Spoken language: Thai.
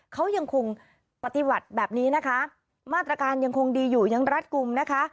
เขายังคงปฏิบัติแบบนี้นะคะมาตรการยังคงดีอยู่ยังรัดกลุ่มนะคะ